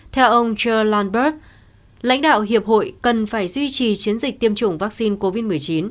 theo ông joel lanberg lãnh đạo hiệp hội cần phải duy trì chiến dịch tiêm chủng vaccine covid một mươi chín